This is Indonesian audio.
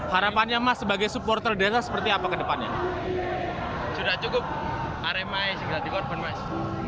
harapannya mas sebagai supporter data seperti apa kedepannya sudah cukup aremai segala dikorban mas